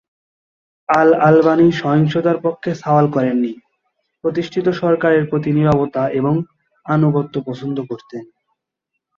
আল-আলবানী সহিংসতার পক্ষে সওয়াল করেননি, প্রতিষ্ঠিত সরকারের প্রতি নীরবতা এবং আনুগত্য পছন্দ করতেন।